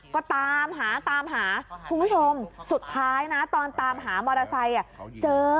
ก็ตามหาตามหาคุณผู้ชมสุดท้ายนะตอนตามหามอเตอร์ไซค์เจอ